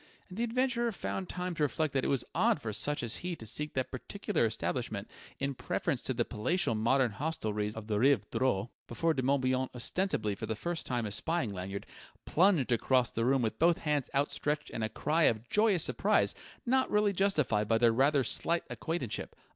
And the adventurer found time to reflect that it was odd for such as he to seek that particular establishment in preference to the palatial modern hostelries of the Rive Droit before De Morbihan, ostensibly for the first time espying Lanyard, plunged across the room with both hands outstretched and a cry of joyous surprise not really justified by their rather slight acquaintanceship.